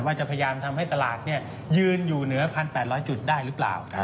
ว่าจะพยายามทำให้ตลาดยืนอยู่เหนือ๑๘๐๐จุดได้หรือเปล่า